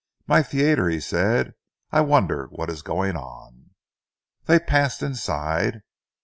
"My theatre," he said. "I wonder what is going on." They passed inside.